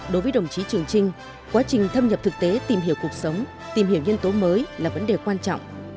đối với đồng chí trường trinh quá trình thâm nhập thực tế tìm hiểu cuộc sống tìm hiểu nhân tố mới là vấn đề quan trọng